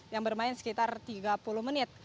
yang bermain sekitar tiga puluh menit